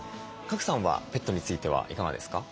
賀来さんはペットについてはいかがですか？